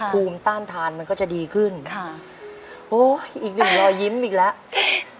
ภูมิต้านทานมันก็จะดีขึ้นค่ะโอ้ยอีกหนึ่งรอยยิ้มอีกแล้ว